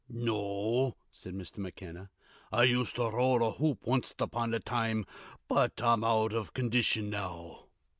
"No," said Mr. McKenna. "I used to roll a hoop onct upon a time, but I'm out of condition now."